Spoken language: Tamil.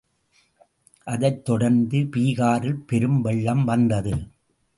அதைத் தொடர்ந்து பீகாரில் பெரும் வெள்ளம் வந்தது.